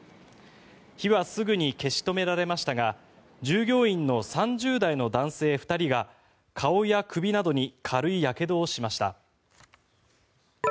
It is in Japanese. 火はすぐに消し止められましたが従業員の３０代の男性２人が顔や首などに軽いやけどをしました。